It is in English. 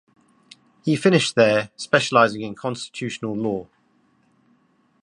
He finished there, specializing in constitutional law.